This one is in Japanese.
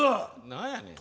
何やねん。